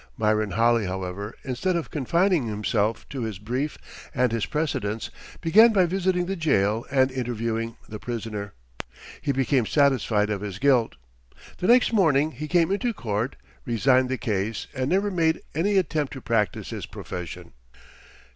Myron Holley, however, instead of confining himself to his brief and his precedents, began by visiting the jail and interviewing the prisoner. He became satisfied of his guilt. The next morning he came into court, resigned the case, and never after made any attempt to practice his profession.